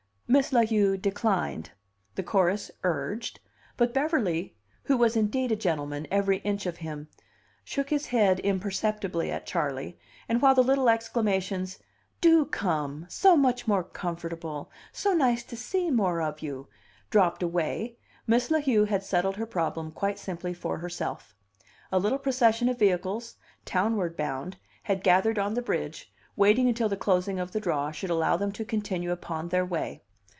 Miss La Heu declined, the chorus urged, but Beverly (who was indeed a gentleman, every inch of him) shook his head imperceptibly at Charley; and while the little exclamations "Do come! So much more comfortable! So nice to see more of you!" dropped away, Miss La Heu had settled her problem quite simply for herself. A little procession of vehicles, townward bound, had gathered on the bridge, waiting until the closing of the draw should allow them to continue upon their way.